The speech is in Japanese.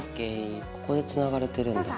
ここでつながれてるんだ。